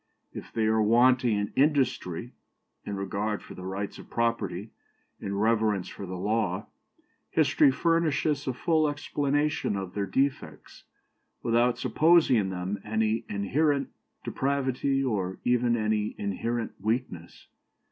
If they are wanting in industry, in regard for the rights of property, in reverence for the law, history furnishes a full explanation of their defects, without supposing in them any inherent depravity, or even any inherent weakness.